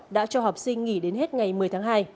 đã cho học sinh nghỉ đến hết ngày một mươi tháng hai